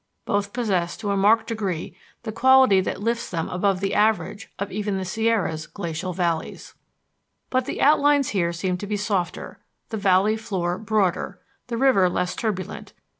Both possess to a marked degree the quality that lifts them above the average of even the Sierra's glacial valleys. But the outlines here seem to be softer, the valley floor broader, the river less turbulent.